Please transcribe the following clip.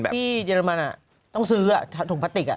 ที่เยอรมันต้องซื้อถุงพลาสติก